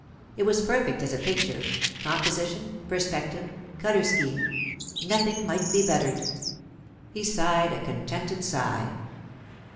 It was perfect as a picture—composition, perspective, colour scheme—nothing might be bettered. He sighed a contented sigh.